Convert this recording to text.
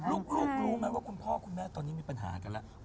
ลูกรู้ไหมว่าคุณพ่อคุณแม่ตอนนี้มีปัญหากันแล้ว